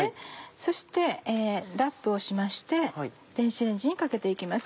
そしてラップをしまして電子レンジにかけて行きます。